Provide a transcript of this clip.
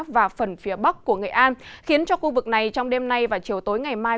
và phần phía bắc của nghệ an khiến cho khu vực này trong đêm nay và chiều tối ngày mai